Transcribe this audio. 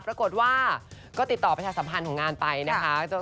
ปรากฏว่าก็ติดต่อประชาสัมพันธ์ของงานไปนะคะ